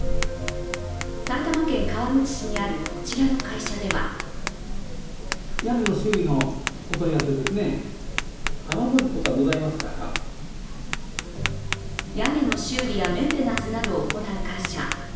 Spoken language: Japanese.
埼玉県川口市にあるこちらの会社では屋根の修理やメンテナンスなどを行う会社。